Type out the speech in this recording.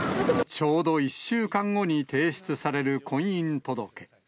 ちょうど１週間後に提出される婚姻届。